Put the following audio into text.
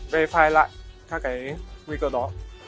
verify lại các cái nguy cơ đó